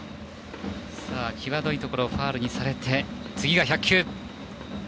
際どいところをファウルにされて１００球。